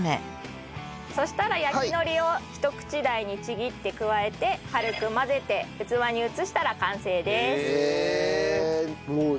そしたら焼き海苔をひと口大にちぎって加えて軽く混ぜて器に移したら完成です。